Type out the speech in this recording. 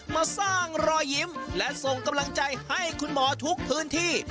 มาสร้างรอยยิ้มและส่งกำลังใจให้คุณหมอทุกพื้นที่